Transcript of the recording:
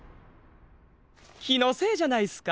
きのせいじゃないすか？